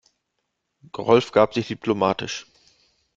Rolf gab sich diplomatisch.